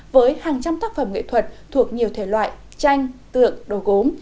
với hàng trăm tác phẩm nghệ thuật thuộc nhiều thể loại tranh tượng đồ gốm